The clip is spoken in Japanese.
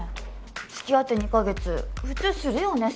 付き合って２カ月普通するよね？